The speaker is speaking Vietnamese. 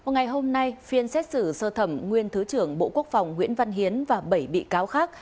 ngày hôm nay phiên xét xử sơ thẩm nguyên thứ trưởng bộ quốc phòng nguyễn văn hiến và bảy bị cáo khác